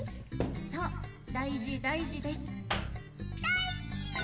そうだいじだいじですだいじ！